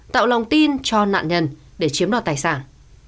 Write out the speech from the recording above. tạo lòng tin cho nạn nhân để chiếm đoạt tài sản